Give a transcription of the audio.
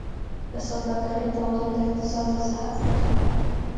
د سوداګرۍ توازن د اقتصاد د صحت نښه ده.